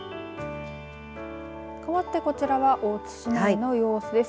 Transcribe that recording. かわってこちらは大津市内の様子です。